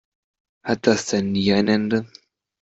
Hat das denn nie ein Ende?